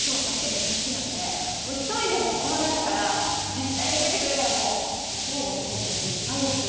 メッチャ好きなので、１人でもこの中から実際に出てくれたら超応援したい気持ちでいっぱいです。